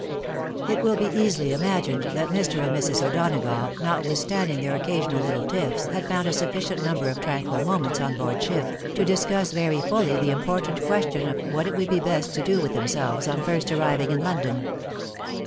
It will easily be imagined that Mr. and Mrs. O'Donagough, notwithstanding their occasional little tiffs, had found a suffi cient number of tranquil moments on board ship, to discuss very fully the important question of what it would be best to do with themselves on first arriving in London.